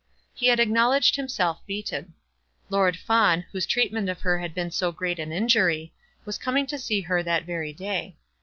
He had acknowledged himself beaten. Lord Fawn, whose treatment to her had been so great an injury, was coming to see her that very day.